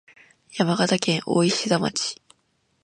山形県大石田町